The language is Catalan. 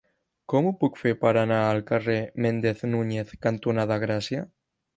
Com ho puc fer per anar al carrer Méndez Núñez cantonada Gràcia?